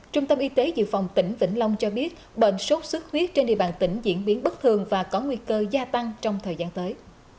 trung tâm y tế dự phòng tỉnh vĩnh long cho biết bệnh sốt xuất huyết trên địa bàn tỉnh diễn biến bất thường và có nguy cơ gia tăng trong thời gian tới